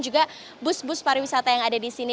juga bus bus pariwisata yang ada di sini